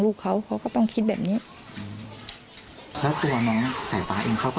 ลูกเขาเขาก็ต้องคิดแบบนี้แล้วตัวน้องสายฟ้าเองเขาก็